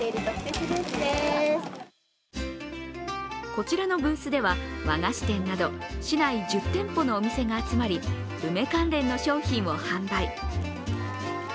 こちらのブースでは和菓子店など市内１０店舗のお店が集まり梅関連の商品を販売。